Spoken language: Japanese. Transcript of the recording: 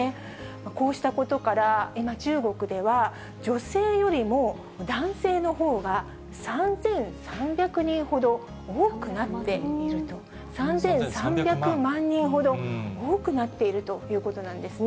こうしたことから、今、中国では、女性よりも男性のほうが３３００万人ほど多くなっているということなんですね。